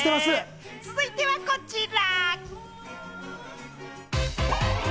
続いてはこちら！